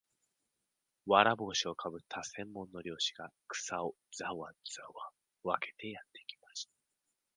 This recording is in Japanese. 簔帽子をかぶった専門の猟師が、草をざわざわ分けてやってきました